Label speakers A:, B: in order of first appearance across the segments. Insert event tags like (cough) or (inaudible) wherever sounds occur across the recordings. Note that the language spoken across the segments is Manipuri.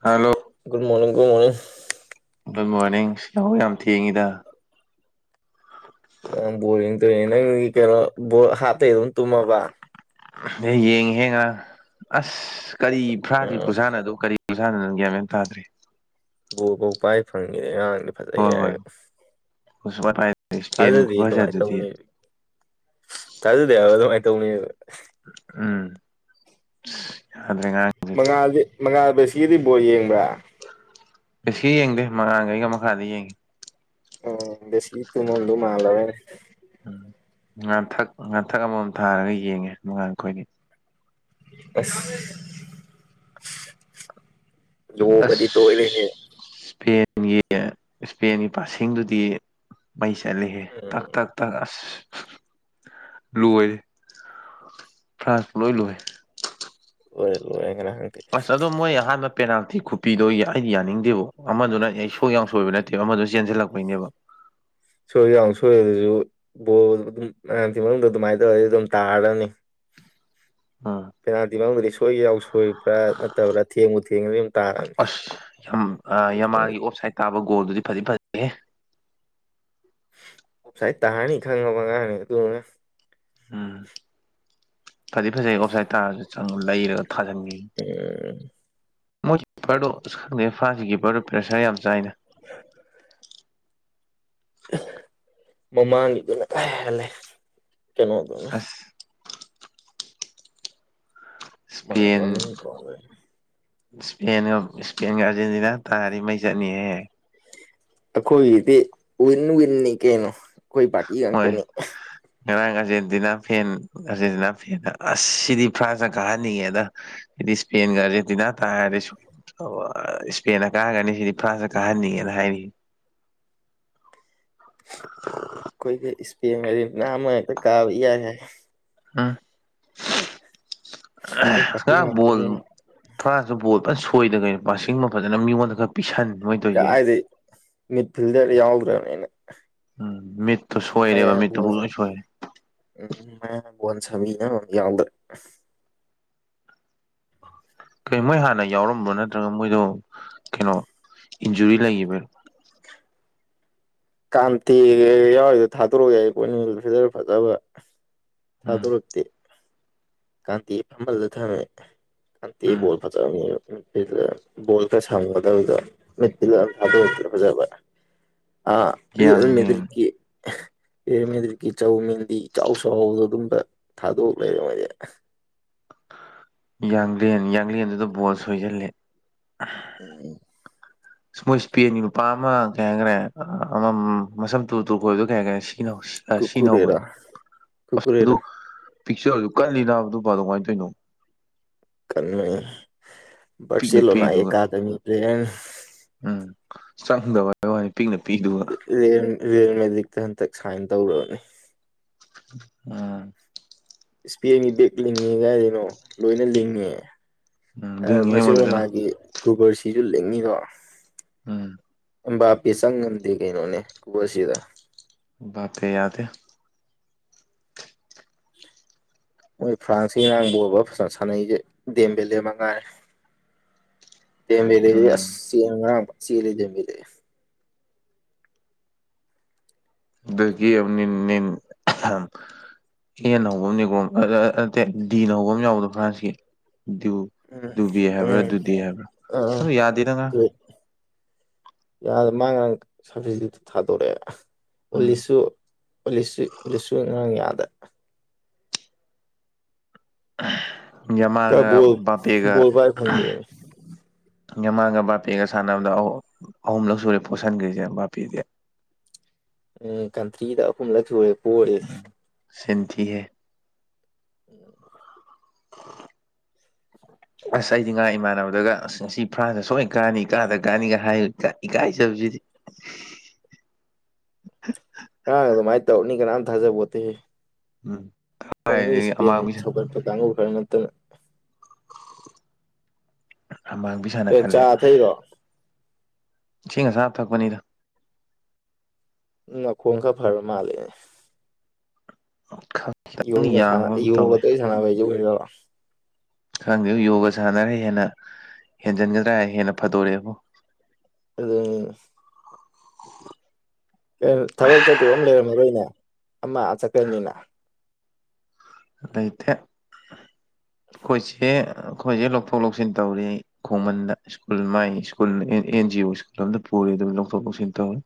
A: ꯍꯜꯂꯣ
B: ꯒꯗ ꯃꯣꯔꯅꯤꯡꯒꯗ ꯃꯣꯔꯅꯤꯡ
A: ꯒꯨꯗ ꯃꯣꯔꯅꯤꯡ ꯁꯤ ꯌꯥꯝ ꯊꯦꯡꯉꯤꯗ (unintelligible)
B: ꯕꯣꯔꯤꯡ ꯇꯧꯅꯦ ꯅꯪꯒꯤ ꯀꯩꯅꯣꯕ ꯍꯥꯞꯇ ꯑꯗꯨꯝ ꯇꯨꯝꯃꯕ
A: ꯑꯦ ꯌꯦꯡꯉꯍꯦ ꯉ ꯑꯁ ꯀꯔꯤ ꯐ꯭ꯔꯥꯒ
B: ꯎꯝ
A: ꯈꯨꯖꯥꯟꯅꯗꯣ ꯀꯔꯤ ꯂꯨꯁꯥꯟꯅꯟ ꯒꯌꯥꯃꯦꯟ ꯇꯥꯗ꯭ꯔꯦ
B: ꯕꯣꯕꯧ ꯄꯥꯏ ꯐꯪꯉꯦ ꯑꯉꯥꯡꯗꯤ ꯐꯖꯩ
A: ꯍꯣꯏ ꯍꯣꯏ
B: ꯍꯥꯏꯔꯒ
A: ꯏꯁꯄꯦꯟ
B: ꯊꯥꯖꯗꯤ ꯑꯗꯨꯃꯥꯏꯅ
A: ꯈꯨꯐꯖꯗꯨꯗꯤ
B: ꯇꯧꯅꯤ ꯊꯥꯖꯗꯦꯕ ꯑꯗꯨꯃꯥꯏꯅ ꯇꯧꯅꯦꯕ
A: ꯎꯝ ꯌꯥꯗ ꯉ
B: ꯃꯉꯥꯗꯤ ꯃꯉꯥ ꯕꯦꯁꯤꯒꯤꯗꯤ ꯕꯣꯔ ꯌꯦꯡꯕ꯭ꯔꯥ
A: ꯕꯁꯀꯤ ꯌꯦꯡꯗꯦ ꯃꯉꯥꯡꯒ ꯑꯩꯒ ꯃꯈꯥꯗ ꯌꯦꯡꯉꯤ
B: ꯎꯝ ꯦꯁꯒꯤ ꯇꯨꯃꯣ ꯑꯗꯨ ꯃꯥꯂꯔ
A: ꯎꯝ ꯉꯟꯊꯛ ꯉꯟꯊꯛ ꯑꯃꯃꯝ ꯊꯥꯔꯒ ꯌꯦꯡꯉꯦ ꯃꯉꯥꯟ ꯑꯩꯈꯣꯏꯗꯤ
B: ꯑ ꯂ
A: ꯑꯁ
B: ꯀꯗꯤ ꯊꯣꯏꯦ
A: ꯏꯁꯄꯦꯟꯒꯤ ꯏꯁꯄꯦꯟꯒꯤ ꯄꯁꯤꯡꯦꯡꯗꯨꯗꯤ ꯃꯩ ꯆꯠꯂꯤꯍꯦ
B: ꯎꯝ
A: ꯇꯛ ꯇꯛꯑꯁ ꯂꯣꯏ ꯐ꯭ꯔꯥꯟꯁ ꯄꯨ ꯂꯣꯏ ꯂꯣꯏ
B: ꯑꯣꯏꯔꯣꯦꯥꯡ
A: ꯑꯁ ꯑꯗꯣ ꯃꯣꯏ ꯑꯍꯥꯟꯕ ꯄꯦꯅꯥꯜꯇꯤ ꯈꯨꯄꯤꯗꯣ ꯑꯩꯗꯤ ꯌꯥꯅꯤꯡꯗꯦꯕꯣ ꯑꯃꯗꯨꯅ ꯑꯩ ꯁꯣꯏ ꯌꯥꯝ ꯁꯣꯏꯕ ꯅꯠꯇ ꯑ ꯑꯃꯗ ꯆꯦꯟꯁꯤꯜꯂꯛꯄꯩꯅꯦꯕ
B: ꯁꯣꯏ ꯌꯥꯎ ꯁꯣꯏ ꯑꯗꯨꯁꯨ ꯕꯣꯜ ꯑꯗꯨꯝ ꯃꯌꯥꯝꯁꯤꯤ ꯃꯅꯨꯡꯗ ꯑꯗꯨꯃꯥꯏꯅ ꯇꯧꯔꯗꯤ ꯑꯗꯨꯝ ꯇꯥꯔꯅꯤ
A: ꯎꯝ
B: ꯄꯦꯅꯥꯜꯇꯤ ꯃꯅꯨꯡꯗꯗꯤ ꯁꯣꯏꯒ ꯌꯥꯎ ꯁꯣꯏꯕ ꯈ꯭ꯔ ꯅꯠꯇꯕ꯭ꯔꯥ ꯊꯦꯡꯉꯨ ꯊꯦꯡꯉꯗꯤ ꯑꯗꯨꯝ ꯇꯥꯔꯛꯅꯤ
A: ꯀꯥꯕꯣꯜꯗꯨꯗꯤ ꯐꯦ
B: ꯁꯥꯏ ꯇꯥꯅꯤ ꯈꯪꯉꯕꯉꯅꯤ ꯑꯗꯨ
A: ꯎꯝ ꯐꯗꯤ ꯐꯖꯩ ꯑꯣꯞꯁꯥꯏꯠ ꯇꯥꯔꯁꯨ ꯆꯪꯉꯨ ꯂꯩꯔꯒ ꯊꯥꯖꯤꯟꯈꯤ
B: ꯎ
A: ꯃꯣꯏ ꯀꯤꯄꯔꯗꯣ ꯑꯁ ꯈꯪꯗꯦ ꯐꯥꯁꯤ ꯀꯤꯄꯔꯗꯣ ꯄ꯭ꯔꯦꯁꯔ ꯌꯥꯝ ꯆꯥꯏꯅ
B: (unintelligible) ꯃꯃꯥꯡꯒꯤꯗꯨꯅ ꯀꯥ ꯍꯂꯦ ꯀꯩꯅꯣꯗꯨꯅ
A: ꯑꯁ
B: ꯃꯥꯅꯤ ꯀꯦ
A: ꯏꯁꯄꯦꯟ ꯏꯁꯄꯦꯟ ꯑꯥꯔꯖꯦꯟꯇꯤꯅꯥ ꯇꯥꯔꯤ ꯃꯩ ꯆꯠꯅꯤꯍꯦ
B: ꯑꯩꯈꯣꯏꯒꯤꯗꯤ ꯋꯤꯟ ꯋꯤꯤꯟꯅꯤ ꯀꯩꯅꯣ ꯑꯩꯈꯣꯏ ꯄꯥꯔꯇꯤ
A: ꯃꯣꯏ
B: ꯉꯥꯛꯇꯅꯤ
A: ꯉꯔꯥꯡ ꯑꯥꯔꯖꯦꯟꯇꯤꯅꯥ ꯐꯦꯟ ꯑꯥꯔꯖꯦꯟꯇꯤꯅꯥ ꯐꯦꯟꯗ ꯑꯁ ꯁꯤꯗꯤ ꯐ꯭ꯔꯥꯟꯁꯅ ꯀꯥꯍꯟꯅꯤꯡꯉꯦꯗ ꯐꯗꯤ ꯏꯁꯄꯦꯟ ꯦ ꯊꯅ ꯇꯔꯦ ꯑꯣ ꯑ ꯏꯁꯄꯦꯅ ꯀꯥꯔꯒꯅꯤ ꯁꯤꯗꯤ ꯐ꯭ꯔꯥꯟꯁꯅ ꯀꯥꯍꯟꯅꯤꯡꯉꯦꯅ ꯍꯥꯏꯔꯤ (unintelligible)
B: ꯑꯩꯈꯣꯏꯒꯤ ꯏꯁꯄꯦꯟꯒꯖꯤ (unintelligible) ꯀꯥꯕ (unintelligible)
A: ꯑ
B: ꯑꯩꯈꯣꯏ
A: (unintelligible)
B: ꯄꯥꯔꯇꯤ
A: ꯉꯔꯥꯡ ꯕꯣꯜ
B: ꯉꯥꯛꯇꯅꯤꯅ
A: ꯊꯁꯨ ꯕꯣꯜ ꯐꯖ ꯁꯣꯏꯗ ꯀꯩꯅꯣ ꯄꯁꯤꯡꯕ ꯐꯖꯅ ꯃꯤꯉꯣꯟꯗ ꯈꯔ ꯄꯤꯁꯟ ꯃꯣꯏ ꯇꯧꯔꯤꯁꯦ
B: ꯀꯥꯏꯗꯤ ꯃꯤꯠ ꯐꯤꯜꯗꯔ ꯌꯥꯎꯗ꯭ꯔꯝꯅꯤꯅ
A: ꯎꯝ ꯃꯤꯠ
B: ꯃꯌꯥꯝ ꯎꯝ ꯃꯌꯥꯝ ꯕꯜ ꯁꯃꯤꯅ ꯌꯥꯎꯗ꯭ꯔꯦ
A: ꯀꯩ ꯃꯣꯏ ꯍꯥꯟꯅ ꯌꯥꯎꯔꯝꯕ꯭ꯔꯣ ꯅꯠꯇ꯭ꯔꯒ ꯃꯣꯏꯗꯣ ꯀꯩꯅꯣ ꯏꯟꯖꯨꯔꯤ ꯂꯩꯕꯔꯣ
B: ꯀꯥꯝꯊꯦ ꯌꯥꯎꯔꯤꯗꯣ ꯊꯥꯗꯣꯔꯛꯑꯣ ꯌꯥꯏ ꯑꯩ ꯄꯣꯅꯤ ꯐꯤꯗꯔ ꯐꯖꯕ
A: ꯎꯝ
B: ꯊꯥꯗꯣꯔꯛꯇꯦ ꯀꯥꯟꯇꯤ ꯐꯃꯜꯗ ꯊꯝꯃꯦ ꯑꯥꯟꯗꯤ
A: ꯎꯝ
B: ꯣꯜ ꯐ ꯆ ꯅꯨꯄꯤꯤꯗ ꯕꯣꯜ ꯈ ꯁꯝꯒꯗꯧꯗꯣ ꯅꯨꯠꯄꯤꯤꯗ ꯑꯗꯨ ꯊꯥꯗꯣꯛꯛꯇꯦ ꯐꯖꯕ ꯑꯥ
A: ꯌꯥꯡꯂꯦꯟ
B: (unintelligible) ꯑꯦꯃꯦꯗ꯭ꯔꯤꯛꯀꯤ ꯆꯧ ꯃꯤꯟꯗꯤ ꯏꯆꯥꯎ ꯆꯥꯎꯍꯥꯎꯗꯣ ꯑꯗꯨꯝꯕ ꯊꯥꯗꯣꯛ ꯂꯩꯔꯦ ꯃꯣꯏꯗꯤ
A: ꯌꯥꯡꯂꯦꯟ ꯌꯥꯡꯂꯦꯟꯗꯨꯗ ꯕꯣꯜ ꯁꯣꯏꯁꯤꯜꯂꯦ
B: ꯎꯝ
A: ꯃꯣꯏ ꯏꯁꯄꯦꯟꯒꯤ ꯅꯨꯄꯥ ꯑꯃ ꯀꯩ ꯍꯥꯏꯈꯔꯦ ꯑꯃꯃꯝ ꯃꯁꯝ ꯇꯨ ꯇꯨ ꯈꯣꯏꯕꯗ ꯀꯩ ꯍꯥꯏꯈꯔꯦ ꯁꯤ ꯁꯤꯅꯧ ꯑ ꯁꯤ
B: ꯀꯨꯀꯨꯔꯦꯔꯥ
A: ꯅꯧꯕꯗꯣ ꯑꯩ ꯑꯗꯨ
B: ꯀꯨꯀꯨꯔꯦꯔꯥ
A: ꯄꯤꯛꯆꯔꯁꯨ ꯀꯠꯂꯤꯅꯥꯗꯨꯄꯥꯗꯣ ꯀꯥꯃꯥꯏ ꯇꯩꯅꯣ
B: ꯀꯟꯃꯩ
A: ꯄꯤꯛꯅ
B: ꯕꯔꯁꯦꯂꯣꯅꯥ
A: ꯄꯤꯗꯨꯒ
B: ꯑꯦꯀꯥꯗꯃꯤ ꯇ꯭ꯔꯦꯟ
A: ꯎꯝ ꯆꯪꯗꯕ ꯍꯥꯏ ꯋꯥꯅꯤ ꯄꯤꯛꯅ ꯄꯤꯗꯨ
B: ꯌꯦ ꯔꯤꯌꯦꯜ ꯃꯦꯖꯤꯛꯇ ꯍꯟꯇꯛ ꯁꯥꯏꯟ ꯇꯧꯔꯕꯅꯤ
A: ꯑꯣꯝ
B: ꯏꯁꯄꯤ ꯃꯤ ꯕꯦꯛ ꯂꯤꯡꯉꯦ ꯀꯥꯏꯗꯅꯣ ꯂꯣꯏꯅ ꯂꯤꯡꯉꯦ
A: ꯎꯝ
B: ꯑ
A: ꯂꯤꯡꯉꯤꯍꯦ ꯃꯣꯏ ꯐꯖꯅ
B: ꯕꯁꯤꯂꯣꯅꯥꯒꯤ ꯒꯨꯕꯔꯁꯤꯁꯨ ꯂꯤꯡꯉꯤꯗꯣ
A: ꯎꯝ
B: ꯑꯝꯕꯥꯞꯄꯤ ꯆꯪꯉꯝꯗꯦ ꯀꯩꯅꯣꯅꯦ ꯀꯕꯁꯤꯗ
A: ꯕꯥꯄ꯭ꯔꯦ ꯌꯥꯗꯦ
B: ꯃꯣꯏ ꯐ꯭ꯔꯥꯟꯁꯀꯤ ꯉꯔꯥꯡ ꯕꯣꯜꯃ ꯐꯖ ꯁꯥꯟꯅꯩꯁꯦ ꯗꯦꯝ ꯕꯦꯂꯦ ꯑꯃꯉꯥꯏꯔꯦ ꯗꯦꯝ ꯕꯦꯂꯦꯗꯤ ꯑꯁ
A: ꯎꯝ
B: ꯆꯦ ꯉꯔꯥꯡ ꯐ ꯆꯦꯜꯂꯦ ꯗꯦꯝ ꯕꯦꯂꯦꯗꯤ
A: ꯑꯗꯒꯤ ꯃꯤꯝ ꯃꯤꯝ (unintelligible) ꯍꯦꯅ ꯍꯧꯕ ꯑꯃꯅꯦꯀꯣ ꯑꯗ ꯑꯥ ꯑ ꯅꯠꯇꯦ ꯗꯤꯅ ꯍꯧꯕꯝ ꯌꯥꯎꯕꯗꯣ ꯐ꯭ꯔꯥꯟꯁꯀꯤ (unintelligible)
B: ꯎꯝ
A: ꯗꯨꯕꯤ ꯍꯥꯏꯕ꯭ꯔꯥ
B: ꯎꯝ
A: ꯗꯨꯗꯦ ꯍꯥꯏꯕ꯭ꯔꯥ
B: ꯑꯥ
A: ꯑꯗꯨ ꯌꯥꯗꯦꯗ ꯉꯥꯡ
B: ꯑꯗꯨ ꯌꯥꯗ ꯃꯥꯡꯉꯔꯥꯡ ꯁꯔꯕꯁꯤꯗꯤꯗ ꯊꯥꯗꯣꯔꯛꯑꯦ
A: ꯎꯝ
B: ꯎꯂꯤꯁꯨ ꯎꯂꯤꯁꯤ ꯔꯤꯆꯨꯑꯦꯜ ꯉꯔꯥꯡ ꯌꯥꯗꯦ
A: ꯌꯥꯃꯥꯒ
B: ꯕꯣꯜ
A: ꯕꯥꯄꯦꯒ
B: ꯕꯣꯜ ꯄꯥꯏ ꯐꯪꯗꯦꯃꯤ
A: ꯌꯥꯃꯥꯒ ꯕꯥꯄꯦꯒ ꯁꯥꯟꯅꯕꯗ ꯑꯍꯨ ꯑꯍꯨꯝꯂꯛ ꯁꯨꯔꯦ ꯄꯣꯁꯟꯈ꯭ꯔꯤꯁꯦ ꯕꯥꯄꯦꯗꯤ
B: ꯎꯝ ꯀꯟꯇ꯭ꯔꯤꯗ ꯑꯍꯨꯝꯂꯛ ꯁꯨꯔꯦ ꯄꯣꯔꯤꯁꯦ
A: ꯁꯤꯟꯊꯤꯍꯦ
B: ꯎꯝ (unintelligible)
A: ꯑꯁ ꯑꯩꯗꯤ ꯉꯥ ꯏꯃꯥꯟꯅꯕꯗꯒ ꯑꯁ ꯉꯁꯤ ꯐ꯭ꯔꯥꯟꯁꯇ ꯁꯣꯏꯅ ꯀꯥꯅꯤ ꯀꯥꯗ ꯀꯥꯅꯤꯒ ꯍꯥꯏ ꯏꯀꯥꯏꯖꯕꯁꯤꯗꯤ
B: ꯉꯔꯥꯡ ꯑꯗꯨꯃꯥꯏ ꯇꯧꯅꯤ ꯀꯅꯥꯝ ꯊꯥꯖꯕꯣꯠꯇꯦꯍꯦ
A: ꯎꯝ
B: ꯑꯣꯡ ꯅꯣꯏ
A: ꯀꯥꯏꯗꯒꯤ
B: ꯏꯁꯄꯦꯟ
A: ꯑꯃꯥꯡꯕꯤ
B: ꯁꯧꯒꯠꯄ ꯀꯥꯡꯕꯨ ꯈꯔ ꯅꯠꯇꯅ
A: (unintelligible) ꯑꯃꯥꯡ
B: ꯑꯦ ꯆꯥ ꯊꯩꯔꯣ
A: ꯏꯁꯤꯡ ꯑꯁꯥꯕ ꯊꯛꯄꯅꯤꯗ
B: ꯎ ꯅꯈꯣꯡ ꯈꯔ ꯐꯔꯕ ꯃꯥꯂꯦꯅꯦ
A: ꯑꯣꯈꯥ
B: ꯌꯣꯒ ꯁ ꯌꯣꯒ ꯇ ꯁꯥꯟꯅꯥ ꯄꯦ ꯃ (inaudible)
A: ꯈꯪꯗꯦꯗ ꯌꯣꯒ ꯁꯥꯟꯅꯔꯤꯅ ꯍꯦꯟꯅ ꯍꯦꯟꯖꯤꯟꯒꯗ꯭ꯔꯥ ꯍꯥꯢꯔꯒ ꯍꯦꯟꯅ ꯐꯗꯣꯔꯛꯑꯦꯕꯣ
B: ꯑꯗꯨꯅꯦ ꯊꯕꯛ ꯆꯠꯇꯨ ꯑꯃ ꯂꯩꯔꯝꯃꯔꯣꯏꯅꯦ ꯑꯃ ꯆꯠꯀ꯭ꯔꯕꯅꯤꯅ
A: ꯑꯗ ꯏꯇ (inaudible) ꯑꯩꯈꯣꯏꯁꯦ ꯑꯩꯈꯣꯏꯖꯦ ꯂꯧꯊꯣꯛ ꯂꯧꯁꯤꯟ ꯇꯧꯔꯤ ꯑꯩ ꯈꯣꯡꯃꯟꯗ school my school A N G O school ꯑꯝꯗ ꯄꯨꯔꯤ ꯑꯗꯨꯒ ꯂꯧꯊꯣꯛ ꯂꯧꯁꯤꯟ ꯇꯧꯋꯦ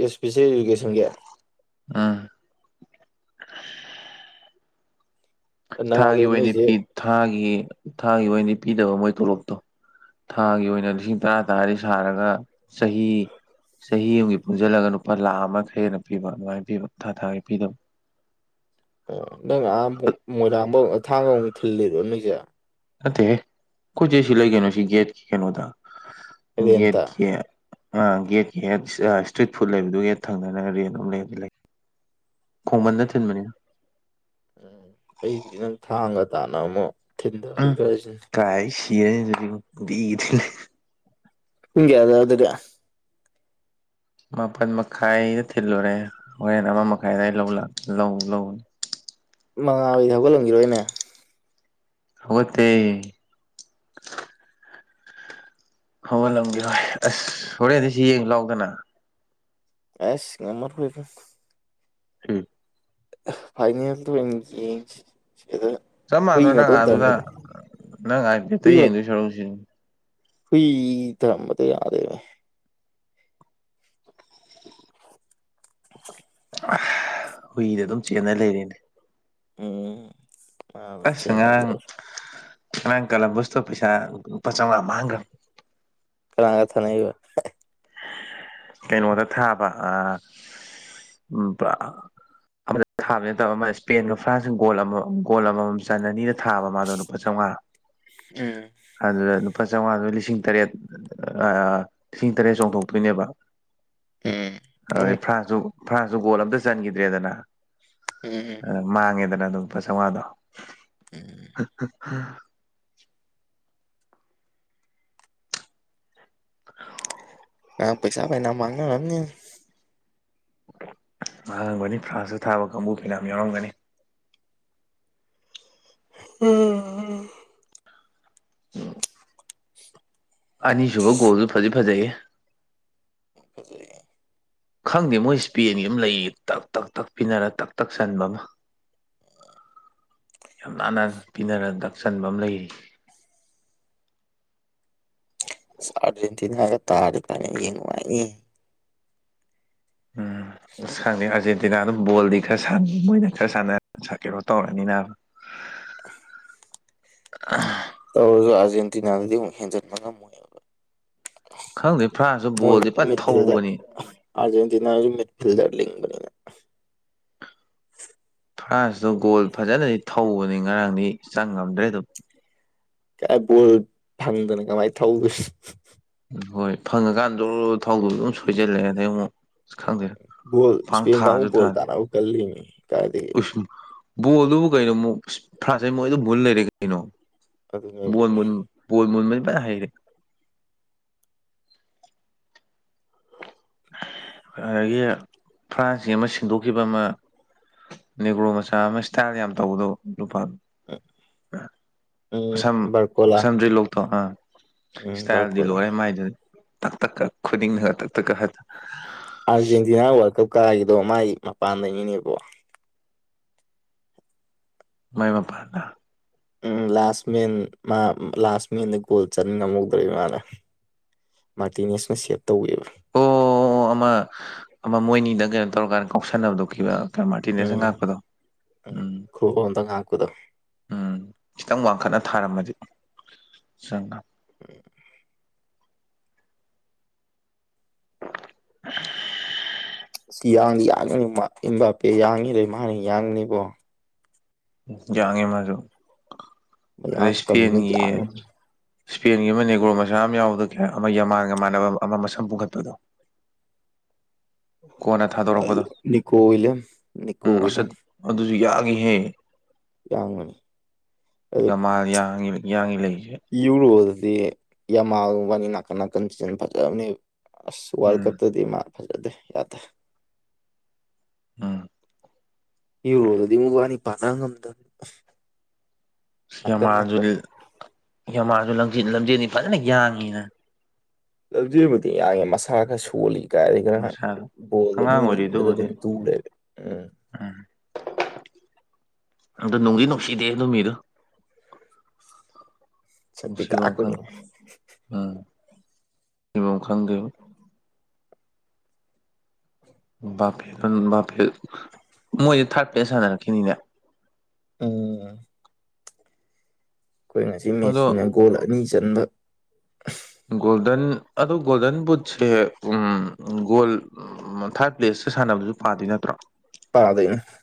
B: ꯑꯦ ꯏꯁꯄꯤꯁꯦꯜ ꯏꯗꯨꯨꯀꯦꯁꯟꯒꯤ
A: ꯑꯥ
B: ꯅꯪ
A: ꯊꯥꯒꯤ
B: ꯑꯗꯨ
A: ꯑꯣꯏꯅꯗꯤ ꯄꯤ
B: ꯅꯣꯏꯁꯦ
A: ꯊꯥꯒꯤ ꯊꯥꯒꯤ ꯑꯣꯏꯅꯗꯤ ꯄꯤꯗꯕ ꯃꯣꯏ ꯇꯣꯂꯣꯞꯇꯣ ꯊꯥꯒꯤ ꯑꯣꯏꯅ ꯂꯤꯁꯤꯡ ꯇꯔꯥ ꯇꯔꯥꯗꯤ ꯁꯥꯔꯒ ꯆꯍꯤ ꯆꯍꯤ ꯑꯃꯒꯤ ꯄꯨꯟꯁꯤꯜꯂꯒ ꯂꯨꯄꯥ ꯂꯥꯈ ꯑꯃ ꯈꯔ ꯍꯦꯟꯅ ꯄꯤꯕ ꯑꯗꯨꯃꯥꯏꯅ ꯄꯤꯕ ꯊꯥ ꯊꯥꯒꯤ ꯄꯤꯗꯕ
B: ꯑꯣ ꯅꯪ ꯑꯥ ꯃꯣꯏꯔꯥꯡꯕꯧ ꯊꯥꯡꯒ ꯑꯃꯨꯛ ꯊꯤꯜꯂꯤꯔꯣ ꯅꯣꯢꯁꯦ
A: ꯅꯠꯇꯦ ꯀꯣꯏꯆꯦ ꯁꯤ ꯂꯩ ꯀꯩꯅꯣ ꯁꯤ ꯒꯦꯠꯀꯤ ꯀꯩꯅꯣꯗ
B: ꯔꯦꯟꯇ
A: ꯒꯦꯠꯀꯤ ꯑ ꯒꯦꯠꯒꯤ ꯍꯦꯛ ꯏꯁꯇ꯭ꯔꯤꯠ ꯐꯨꯗ ꯂꯩꯕꯗꯨꯒꯤ ꯊꯪꯅꯅ ꯂꯦꯟ ꯑꯃ ꯂꯩ ꯈꯣꯡꯃꯟꯗ ꯊꯤꯟꯕꯅꯦ
B: ꯎꯝ ꯑꯩꯗꯤ ꯅꯪ ꯊꯥꯡꯒ ꯇꯥꯟꯅ ꯑꯃꯨꯛ ꯊꯤꯟꯗꯔꯤ
A: ꯎꯝ
B: ꯈꯔꯁꯤꯅꯤ
A: ꯀꯥꯏ ꯁꯤꯔꯅꯤ ꯅꯨꯡꯇꯤꯒꯤ ꯊꯤꯜꯂꯗꯤ
B: ꯄꯨꯡ ꯀꯌꯥꯗ ꯑꯗꯨꯗꯤ
A: ꯃꯥꯄꯜ ꯃꯈꯥꯏꯗ ꯊꯤꯜꯂꯨꯔꯦ ꯍꯣꯔꯦꯟ ꯑꯃ ꯃꯈꯥꯏꯗ ꯂꯧ ꯂꯧꯅꯤ
B: ꯃꯉꯥꯜꯗꯤ ꯍꯧꯒꯠꯉꯥꯝꯈꯤꯔꯣꯅꯦ
A: ꯍꯧꯒꯠꯇꯦ ꯍꯧꯒꯠꯂꯝꯒꯤꯔꯣꯢ ꯑꯁ ꯍꯣꯔꯦꯟꯗꯤ ꯁꯤ ꯌꯦꯡꯁꯤ ꯂꯥꯎꯗꯅ
B: ꯑꯁ ꯉꯥꯝꯃꯔꯣꯢꯗ
A: ꯎꯝ
B: ꯐꯥꯏꯅꯦꯟꯗ ꯑꯣꯢꯅ ꯌꯦꯡꯁꯤ ꯁꯤꯗ
A: ꯆꯞ
B: ꯍꯨꯏ
A: ꯃꯥꯟꯅꯅ ꯅꯪ
B: ꯃꯇꯣꯟ
A: ꯑꯗꯨꯗ
B: ꯊꯝꯕꯗꯣ
A: ꯅꯪ ꯑꯥꯏꯄꯦꯠꯇ
B: ꯍꯨꯏ
A: ꯌꯦꯡꯗꯣꯏ ꯁꯔꯨꯛ
B: ꯍꯨꯏ ꯊꯥꯅꯥꯝ ꯌꯥꯗꯦꯅꯦ
A: ꯍꯨꯏꯗꯣ ꯑꯗꯨꯝ ꯆꯦꯟꯅ ꯂꯩꯔꯦꯅꯦ
B: ꯑꯝ
A: ꯑꯁ ꯉꯔꯥꯡ ꯉꯔꯥꯡ ꯀꯂꯝꯕꯁꯇꯣ ꯄꯩꯁꯥ ꯂꯨꯄꯥ ꯆꯥꯝꯃꯉꯥ ꯃꯥꯡꯒ꯭ꯔꯝ
B: ꯀꯅꯥꯒ ꯊꯥꯅꯩꯕ
A: ꯀꯩꯅꯣꯗ ꯊꯥꯕ ꯑ ꯎꯝ ꯑꯃꯗ ꯊꯥꯕ ꯅꯠꯇꯕ ꯑꯃ ꯏꯁꯄꯦꯟꯒ ꯐ꯭ꯔꯥꯟꯁ ꯒꯣꯜ ꯑꯃ ꯒꯣꯜ ꯑꯃꯃꯝ ꯆꯟꯅꯅꯤ ꯊꯥꯕ ꯃꯥꯗꯣ ꯂꯨꯄꯥ ꯆꯥꯝꯃꯉꯥ
B: ꯎꯝ
A: ꯑꯗꯨꯗ ꯂꯨꯄꯥ ꯆꯥꯝꯃꯉꯥꯗꯨ ꯂꯤꯁꯤꯡ ꯇꯔꯦꯠ ꯇꯔꯦꯁ ꯆꯣꯡꯊꯣꯛꯇꯣꯏꯅꯦꯕ
B: ꯎꯝ ꯎꯝ
A: ꯑꯗꯨꯗꯩ ꯐ꯭ꯔꯥꯟꯁꯨ ꯐ꯭ꯔꯥꯟꯁꯇꯨ ꯒꯣꯜ ꯑꯝꯇ ꯆꯟꯈꯤꯗ꯭ꯔꯦꯗꯅ
B: ꯎꯝꯝ
A: ꯃꯥꯡꯉꯦꯗꯅ ꯑꯗꯨꯝ ꯂꯨꯄꯥ ꯆꯥꯝꯃꯉꯥꯗꯣ
B: ꯎꯝ ꯉꯥꯔꯥꯡ ꯄꯩꯁꯥ ꯐꯥꯅꯌꯥꯝ ꯃꯥꯡꯅꯔꯝꯅꯤꯌꯦ
A: ꯃꯥꯡꯉꯝꯒꯅꯤ ꯐ꯭ꯔꯥꯟꯁꯇ ꯊꯥꯕ ꯀꯥꯡꯕꯨ ꯐꯤꯅ ꯌꯥꯎꯔꯝꯒꯅꯤ
B: ꯑꯝ
A: (unintelligible) ꯑꯅꯤꯁꯨꯕ ꯒꯣꯜꯗꯨ ꯐꯗꯤ ꯐꯖꯩꯍꯦ
B: ꯎꯪ ꯐꯖꯩ (inaudible)
A: ꯈꯪꯗꯦ ꯃꯣꯏ ꯏꯁꯄꯦꯟꯒꯤ ꯑꯃ ꯂꯩꯌꯦ ꯇꯛ ꯇꯛ ꯇꯛ ꯄꯤꯅꯔ ꯇꯛ ꯇꯛ ꯆꯟꯕ ꯑꯃ ꯌꯥꯝ ꯅꯥꯟꯅ ꯄꯤꯅꯔ ꯗꯛ ꯆꯟꯕ ꯑꯃ ꯂꯩꯔꯤ
B: ꯑꯁ ꯑꯥꯔꯖꯦꯟꯇꯤꯅꯥꯒ ꯇꯥꯔꯗꯤ ꯐꯥꯏꯅꯦꯜ ꯌꯦꯡ ꯅꯨꯡꯉꯥꯏꯅꯤ
A: ꯎꯝ ꯑꯁ ꯈꯪꯗꯦ ꯑꯥꯔꯖꯦꯟꯇꯤꯅꯥꯗꯣ ꯕꯣꯜꯗꯤ ꯈꯔ ꯁꯥꯟꯅꯩ ꯃꯣꯏꯅ ꯈꯔ ꯁꯥꯟꯅ ꯀ ꯩꯅꯣ ꯇꯧꯔꯅꯤ ꯅꯥꯕꯥ
B: (unintelligible) ꯇꯧꯔꯁꯨ ꯑꯥꯔꯖꯦꯟꯇꯤꯅꯥꯗꯗꯤ ꯑꯃꯨꯛ ꯍꯦꯟꯖꯤꯟꯕ ꯉꯝꯃꯣꯏꯕ
A: ꯈꯪꯗꯦ ꯐ꯭ꯔꯥꯟꯁꯁꯨ
B: (unintelligible)
A: ꯕꯣꯜꯗꯤ
B: ꯃꯣꯏꯁꯨ
A: ꯐꯟ
B: ꯃꯤꯠꯐꯤꯜꯗꯔ
A: ꯊꯧꯕꯅꯤ
B: (unintelligible) ꯑꯔꯖꯦꯟꯇꯤꯅꯥꯁꯨ ꯃꯤꯇ ꯐꯤꯜꯗꯔ ꯂꯤꯡꯕꯅꯤ
A: ꯐ꯭ꯔꯥꯟꯁꯇꯨ ꯒꯣꯜ ꯐꯖꯅꯗꯤ ꯊꯧꯕꯅꯤ ꯉꯔꯥꯡꯗꯤ ꯆꯪ ꯉꯝꯗ꯭ꯔꯦ ꯑꯗꯨꯝ
B: ꯀꯥꯏ ꯕꯣꯜ ꯐꯪꯗꯅ ꯀꯃꯥꯏꯅ ꯊꯧꯗꯣꯏꯅꯣ
A: ꯍꯣꯏ ꯐꯪꯉꯀꯥꯟꯗ ꯖꯣꯔ꯭ꯔ ꯊꯧꯗꯧꯗꯨ ꯑꯗꯨꯝ ꯁꯣꯏꯖꯤꯜꯂꯛꯑꯦ ꯑꯗꯩ ꯑꯃꯨꯛ ꯑꯁ ꯈꯪꯗꯦ
B: ꯕꯣꯜ
A: ꯄꯥꯡ
B: ꯏꯁꯄꯦꯟ ꯀꯥꯡꯕꯨ
A: ꯊꯥꯁꯨ
B: ꯕꯣꯜ
A: ꯊꯥꯗꯦ
B: ꯇꯥꯟꯅꯕ ꯀꯟꯂꯤꯅꯦ ꯀꯥꯏꯗꯒꯤ
A: ꯕꯣꯜꯗꯨꯕꯨ ꯀꯩꯅꯣ ꯃꯨꯛ ꯐ꯭ꯔꯥꯟꯁꯇꯩ ꯃꯣꯏꯅ ꯑꯗꯨꯝ ꯃꯨꯜ ꯂꯩꯔꯦ ꯀꯩꯅꯣ
B: ꯑꯗꯨꯅꯦ ꯍꯥꯏꯁꯦ
A: ꯕꯣꯜ ꯃꯨꯟ ꯕꯣꯜ ꯃꯨꯟꯕꯗꯤ ꯐꯖꯅ ꯍꯩꯔꯦ ꯑꯗꯒꯤ ꯐ꯭ꯔꯥꯟꯁꯀꯤ ꯑꯃ ꯁꯤꯟꯗꯣꯛꯈꯤꯕ ꯑꯃ ꯅꯦꯒ꯭ꯔꯣ ꯃꯆꯥ ꯑꯃ ꯏꯁꯇꯥꯏꯜ ꯌꯥꯝ ꯇꯧꯕꯗꯣ ꯅꯨꯄꯥ
B: ꯎꯝ
A: ꯁꯝ
B: ꯕꯥꯔꯀꯣꯂꯥ
A: ꯁꯝꯗ꯭ꯔꯤꯂꯣꯛꯇꯣ ꯑ
B: ꯎꯝ
A: ꯏꯁꯇꯥꯏꯜꯗꯤ
B: ꯕꯥꯔꯀꯣꯂꯥ
A: ꯂꯣꯏꯔꯦ ꯃꯥꯏꯗꯨ ꯇꯛ ꯇꯛꯀꯥ ꯈꯨꯅꯤꯡꯅ ꯇꯛ ꯇꯛ ꯀꯥ ꯍꯜ
B: ꯑꯥꯔꯖꯦꯟꯇꯤꯅꯥ ꯋꯥꯔꯜ ꯀꯞ ꯀꯥꯒꯤꯗꯣ ꯃꯥꯥꯏ ꯃꯄꯥꯟꯗꯩꯅꯤꯅꯦꯕꯣ
A: ꯃꯥꯏ ꯃꯄꯥꯟꯗ
B: ꯎꯝ ꯂꯥꯁ ꯃꯦꯟ ꯃꯥ ꯂꯥꯁ ꯃꯦꯟꯗ ꯒꯣꯜ ꯆꯟ ꯉꯝꯍꯧꯗ꯭ꯔꯤ ꯃꯥꯅꯥ ꯃꯥꯔꯇꯤꯅꯦꯁꯅ ꯁꯦꯞ ꯇꯧꯋꯦꯕ
A: ꯑꯣ ꯑꯣ ꯑꯃ ꯑꯃ ꯃꯣꯏꯅꯤꯗꯪ ꯀꯩꯅꯣ ꯇꯧꯔꯀꯥꯟꯗ ꯀꯥꯎꯁꯟꯅꯕꯗꯣ ꯀꯩꯕ ꯃꯥꯇꯤꯟꯅꯦꯁꯅꯥ
B: ꯎꯝ
A: ꯉꯥꯛꯄꯗꯣ ꯎꯝ
B: ꯈꯨꯔꯣꯟꯗ ꯉꯥꯛꯄꯗꯣ
A: ꯎꯝ ꯈꯤꯇꯪ ꯋꯥꯡꯈꯠꯅ ꯊꯥꯔꯝꯃꯗꯤ ꯆꯪꯉꯝꯅꯤ (unintelligible)
B: ꯌꯥꯡꯗꯤ ꯌꯥꯡꯕꯅꯤ ꯃꯥ ꯑꯦꯝꯕꯥꯞꯄꯦ ꯌꯥꯡꯉꯤꯗꯩ ꯃꯥꯅꯤ ꯌꯥꯡꯕꯅꯤꯀꯣ
A: ꯌꯥꯡꯉꯤ ꯃꯥꯁꯨ ꯑꯗꯩ
B: ꯃꯌꯥꯡ ꯀꯪꯅ
A: ꯏꯁꯄꯦꯟꯒꯤ
B: ꯌꯥꯡꯉꯤ
A: ꯁ꯭ꯄꯦꯟꯒꯤ ꯑꯃ ꯅꯦꯒ꯭ꯔꯣ ꯃꯆꯥ ꯑꯃ ꯌꯥꯎꯕꯗꯣ ꯀꯩ ꯍꯥꯏꯕ ꯑꯃ ꯌꯥꯃꯥꯟꯒ ꯃꯥꯟꯅꯕ ꯑꯃ ꯃꯁꯝ ꯄꯨꯟꯈꯠꯄꯗꯣ ꯀꯣꯟꯅ ꯊꯥꯗꯣꯔꯛꯄꯗꯣ
B: ꯅꯤꯀꯣ ꯋꯤꯂꯤꯌꯝ ꯅꯤꯀꯣ
A: ꯎꯝ ꯑꯁꯠ
B: ꯋꯤꯂꯤꯌꯝ
A: ꯑꯗꯨꯁꯨ ꯌꯥꯡꯉꯤꯍꯦ
B: ꯌꯥꯥꯡꯕꯅꯤ ꯑꯗꯨ
A: ꯌꯥꯃꯥꯜ ꯌꯥꯡꯉꯤ ꯌꯥꯡꯉꯤ ꯂꯩꯔꯤꯁꯦ
B: (unintelligible) ꯌꯨꯔꯣꯗꯗꯤ ꯌꯝꯃꯥꯂ ꯃꯕꯥꯅꯤ ꯅꯥꯀꯟ ꯅꯥꯀꯟꯗ ꯆꯦꯂ ꯐꯖꯕꯅꯦ ꯑꯁ ꯋꯥꯔꯜ
A: ꯎꯝ
B: ꯀꯞꯇꯗꯤ ꯃꯥ ꯐꯖꯗꯦ ꯌꯥꯗꯦ
A: ꯑꯝ
B: ꯌꯨꯔꯣꯗꯗꯤ ꯃꯕꯥꯅꯤ ꯄꯥꯅ ꯉꯝꯗꯕꯅꯤ ꯅꯥꯀꯟ ꯅꯥꯀꯟ
A: ꯌꯥꯝꯃꯥꯂꯗꯨꯗꯤ ꯌꯥꯝꯃꯥꯥꯜꯁꯨ ꯂꯝꯖꯦꯟꯅꯤ ꯐꯖꯅ ꯌꯥꯡꯉꯤꯅ
B: ꯂꯝꯖꯦꯟꯕꯨꯗꯤ ꯌꯥꯡꯉꯦ ꯃꯁꯥ ꯈꯔ ꯁꯣꯜꯂꯤ ꯀꯔꯤ ꯈꯔ
A: ꯃꯁꯥꯗꯣ
B: ꯕꯣꯜꯗꯣ
A: ꯑꯉꯥꯡ
B: ꯃꯤꯅ ꯏꯟꯕꯗ
A: ꯑꯣꯏꯔꯤꯗꯨꯕꯨꯗꯤ
B: ꯑꯗꯨꯝ ꯇꯨꯔꯦꯕ ꯎꯝ
A: ꯎꯝ
B: (inaudible)
A: ꯑꯗꯣ ꯅꯨꯡꯗꯤ ꯅꯨꯡꯁꯤꯗꯦ ꯑꯗꯨꯏ ꯃꯤꯗꯨ
B: ꯁꯛꯇꯤ
A: ꯅꯨꯡꯁꯤꯕꯝ
B: ꯀꯥꯛꯄꯅꯤ
A: ꯈꯪ ꯎꯝ ꯅꯨꯡꯁꯤꯕꯝ ꯈꯪꯗꯦꯕ ꯕꯥꯄꯦꯗ ꯕꯥꯄꯦ ꯃꯣꯏꯗꯤ ꯊꯥꯔꯠ ꯄ꯭ꯂꯦꯁ ꯁꯥꯟꯅꯔꯛꯈꯤꯅꯤꯅꯦ
B: ꯎꯝ ꯑꯩꯈꯣꯏ ꯉꯁꯤ
A: ꯑꯗꯣ
B: ꯃꯦꯠꯁꯤꯅ ꯒꯣꯜ ꯑꯅꯤ ꯆꯟꯕ
A: ꯒꯣꯜꯗꯟ ꯑꯗꯣ ꯒꯣꯜꯗꯟ ꯕꯨꯠꯁꯦ ꯎꯝ ꯒꯣꯜ ꯎꯝ ꯊꯥꯔꯠ ꯄ꯭ꯂꯦꯁꯇ ꯁꯥꯟꯅꯕꯁꯨ ꯄꯥꯗꯣꯏ ꯅꯠꯇ꯭ꯔꯣ
B: (unintelligible)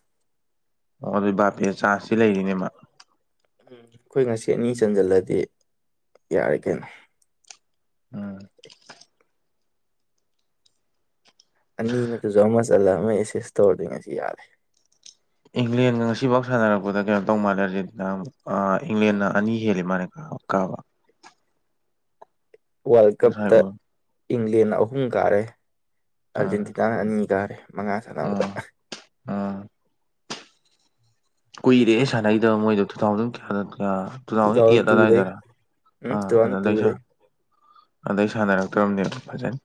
A: ꯑꯣ ꯑꯗꯨꯗꯤ ꯕꯥꯄꯦ ꯆꯥ꯭ꯅꯁꯇꯤ ꯂꯩꯔꯤꯅꯦ ꯃꯥ
B: ꯎꯝ ꯑꯩꯈꯣꯏ ꯉꯁꯤ ꯑꯅꯤ ꯆꯟꯁꯤꯜꯂꯗꯤ ꯌꯥꯔꯦ ꯀꯩꯅꯣ
A: ꯎꯝ
B: ꯑꯅꯤ ꯅꯠꯇ꯭ꯔꯁꯨ ꯑꯃ ꯆꯂꯥ ꯑꯃ ꯑꯦꯁꯤꯁ ꯇꯧꯔꯗꯤ ꯉꯁꯤ ꯌꯥꯔꯦ
A: ꯏꯪꯂꯦꯟꯒ ꯉꯁꯤꯐꯥꯎ ꯁꯥꯟꯅꯔꯛꯄꯗꯩ ꯀꯩꯅꯣ ꯇꯧ ꯃꯥꯜꯂꯦ ꯍꯧꯖꯤ ꯏꯪꯂꯦꯟꯅ ꯑꯅꯤ ꯍꯦꯜꯂꯤ ꯃꯥꯜꯂꯦꯀ ꯑꯣ ꯀ
B: ꯋꯥꯔꯜ
A: ꯉꯁꯥꯏ
B: ꯀꯞꯇ
A: ꯎ
B: ꯏꯪꯂꯦꯟ ꯅ ꯑꯍꯨꯝ ꯀꯥꯔꯦ
A: ꯎꯝ
B: ꯑꯥꯔꯖꯦꯟꯇꯤꯅꯥꯅ ꯑꯅꯤ ꯀꯥꯔꯦ ꯃꯉꯥ ꯁꯥꯟꯅꯕꯗ
A: ꯑꯥ ꯀꯨꯏꯔꯦ ꯁꯥꯟꯅꯒꯤꯗꯥꯕ ꯃꯣꯏꯗꯣ ꯇꯨ ꯊꯥꯎꯖꯟ ꯀꯌꯥꯗ ꯀꯌꯥ ꯇꯨ ꯊꯥꯎꯖꯟ ꯑꯦꯠ ꯑꯗꯨꯋꯥꯏꯗꯔ
B: ꯎꯝ ꯇꯨ
A: ꯑꯥ ꯑꯗꯨ
B: ꯊꯥꯎꯖꯟ
A: ꯑꯗꯩ
B: ꯇꯨꯗꯩ
A: ꯁꯥꯔ ꯑꯗꯩ ꯁꯥꯟꯅꯔꯛꯇ꯭ꯔꯕꯅꯦꯅꯣ ꯐꯖꯅ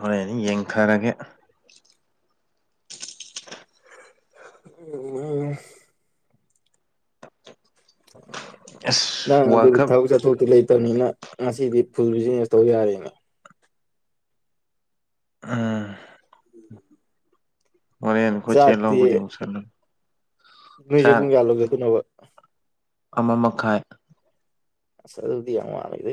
A: ꯍꯣꯔꯦꯟ ꯌꯦꯡꯊꯔꯒꯦ
B: (unintelligible)
A: ꯑꯁ
B: ꯅꯪ
A: ꯋꯥꯔꯜ
B: ꯑꯗꯨꯗꯤ
A: ꯀꯞ
B: ꯊꯕꯛ ꯆꯠꯊꯣꯛꯇꯤ ꯂꯩꯇꯕꯅꯤꯅ ꯉꯁꯤꯗꯤ ꯐꯨꯜ ꯕꯤꯖꯤꯅꯦꯁ ꯇꯧ ꯌꯥꯔꯦꯅꯦ
A: ꯎꯝ ꯍꯣꯔꯦꯟ ꯑꯩꯈꯣꯏ ꯆꯦ
B: ꯆꯥꯥꯛꯇꯤ
A: ꯂꯧꯕꯗꯤ ꯑꯃꯨꯛ ꯆꯠꯂꯨ ꯆꯥꯛ
B: (unintelligible)
A: ꯑꯃ ꯃꯈꯥꯏ
B: ꯑꯁ ꯑꯗꯨꯗꯤ ꯌꯥꯉ ꯃꯥꯅꯩꯗꯤ